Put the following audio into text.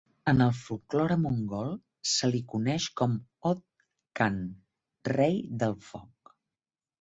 En el folklore mongol, se li coneix com Od Khan "rei del foc".